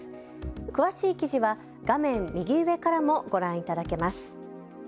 詳しい記事は画面右上からもご覧いただけます。